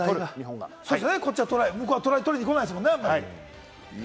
向こうはトライ取りに来ないですもんね。